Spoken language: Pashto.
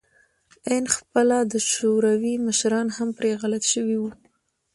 آن خپله د شوروي مشران هم پرې غلط شوي وو